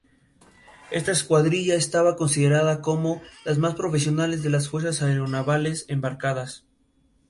En este caso, no pueden producirse grandes reducciones en la sección.